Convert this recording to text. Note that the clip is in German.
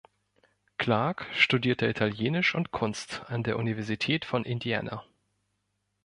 Clarke studierte Italienisch und Kunst an der Universität von Indiana.